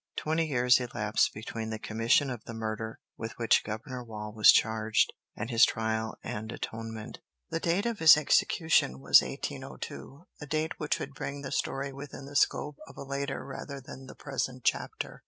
Twenty years elapsed between the commission of the murder with which Governor Wall was charged and his trial and atonement. The date of his execution was 1802, a date which would bring the story within the scope of a later rather than the present chapter.